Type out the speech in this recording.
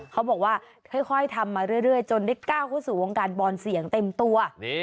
เขาบอกว่าค่อยทำมาเรื่อยจนได้ก้าวเข้าสู่วงการบอลเสี่ยงเต็มตัว